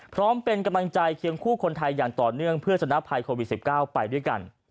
พร้อมเป็นกำลังใจเคียงคู่คนไทยอย่างต่อเนื่องเพื่อชนะภัยโควิด๑๙ไปด้วยกัน